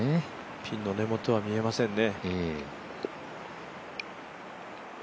ピンの根元は見えませんね。